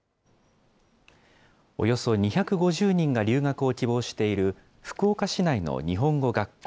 およそ２５０人が留学を希望している、福岡市内の日本語学校。